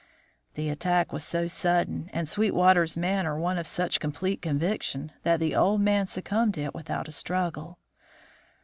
The attack was so sudden, and Sweetwater's manner one of such complete conviction, that the old man succumbed to it without a struggle.